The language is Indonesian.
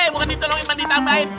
bukan ditolong dipenitabain